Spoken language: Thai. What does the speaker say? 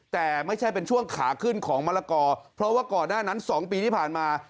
แต่ไม่ใช่เป็นช่วงขาขึ้นของมะละกอเพราะว่าก่อนหน้านั้น๒ปีที่ผ่านมา